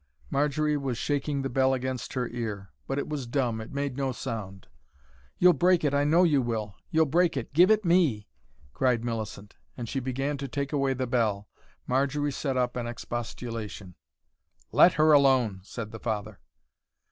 Marjory was shaking the bell against her ear. But it was dumb, it made no sound. "You'll break it, I know you will. You'll break it. Give it ME " cried Millicent, and she began to take away the bell. Marjory set up an expostulation. "LET HER ALONE," said the father.